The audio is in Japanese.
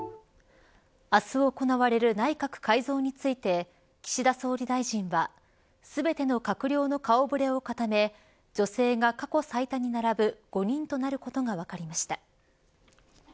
明日行われる内閣改造について岸田総理大臣は全ての閣僚の顔触れを固め女性が過去最多に並ぶ５人となることが分かりました。